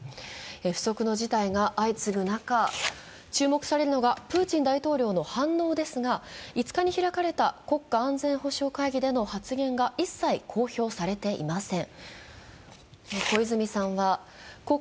不測の事態が相次ぐ中、注目されるのがプーチン大統領の反応ですが５日に開かれた国家安全保障会議での発言が一切公表されていません。